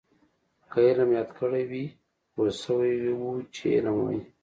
که علم یاد کړی وی پوه شوي وو چې علم وايي.